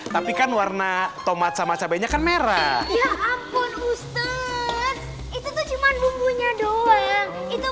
tapi kan warna tomat sama cabainya kan merah ya ampun use itu tuh cuman bumbunya doang itu